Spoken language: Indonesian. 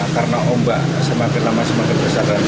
karena ombak semakin lama semakin besar dan semakin tinggi